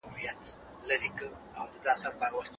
یوه پوښتنه بیا بیا تکرارېږي.